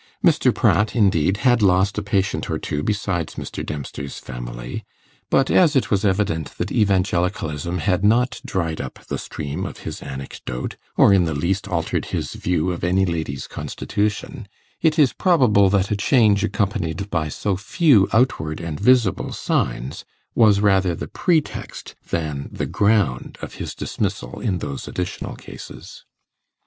Mr. Pratt, indeed, had lost a patient or two besides Mr. Dempster's family; but as it was evident that Evangelicalism had not dried up the stream of his anecdote, or in the least altered his view of any lady's constitution, it is probable that a change accompanied by so few outward and visible signs, was rather the pretext than the ground of his dismissal in those additional cases.